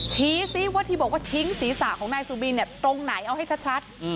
ชี้ซิว่าที่บอกว่าทิ้งศีรษะของนายสุบินตรงไหนเอาให้ชัด